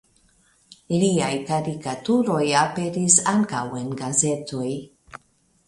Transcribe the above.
Liaj karikaturoj aperis ankaŭ en gazetoj.